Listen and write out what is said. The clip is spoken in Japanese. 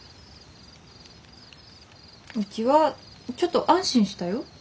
うちはちょっと安心したよ。